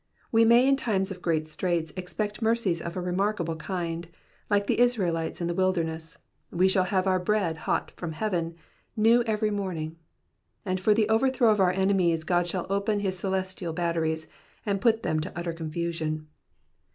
We may in times of great straits expect mercies of a remarkable kind ; like the Israelites in the wilderness, we shall have our bread hot from heaven, new every morning ; and for the overthrow of our enemies God shall open his celestial batteries, and put them to utter confusion.